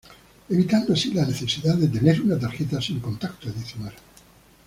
Evitando así la necesidad de tener una tarjeta sin contacto adicional.